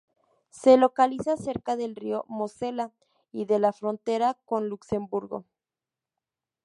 Se localiza cerca del río Mosela y de la frontera con Luxemburgo.